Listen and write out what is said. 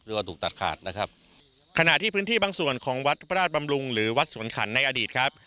ว่าถูกตัดขาดนะครับขณะที่พื้นที่บางส่วนของวัดพระราชบำรุงหรือวัดสวนขันในอดีตครับ